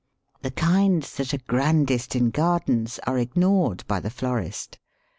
The kinds that are the grandest in gardens are ignored by the florist.